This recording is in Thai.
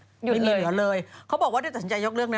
อยุดเลยอ่ะเหลือเนี่ยไม่มีเหลือเลยเขาบอกว่าได้ตัดสนใจยกเลือกนะ